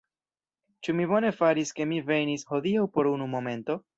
Ĉu mi bone faris, ke mi venis, hodiaŭ por unu momento?